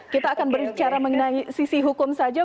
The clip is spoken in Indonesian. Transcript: kita akan berbicara mengenai sisi hukum saja